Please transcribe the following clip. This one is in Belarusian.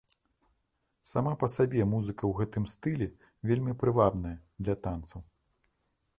Сама па сабе музыка ў гэтым стылі вельмі прывабная для танцаў.